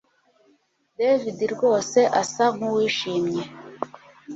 David rwose asa nkuwishimye